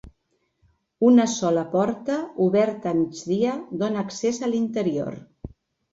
Una sola porta, oberta a migdia, dóna accés a l'interior.